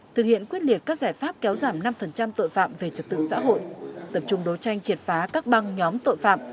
thực hiện quyết liệt các giải pháp kéo giảm năm tội phạm về trật tự xã hội tập trung đấu tranh triệt phá các băng nhóm tội phạm